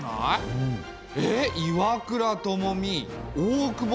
えっ岩倉具視大久保